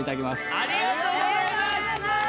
ありがとうございます！